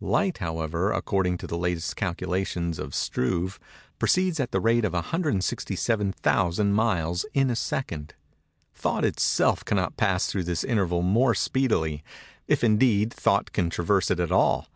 Light, however, according to the latest calculations of Struve, proceeds at the rate of 167,000 miles in a second. Thought itself cannot pass through this interval more speedily—if, indeed, thought can traverse it at all.